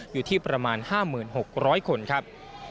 อยู่ที่ประมาณ๕๖๐๐คนครับ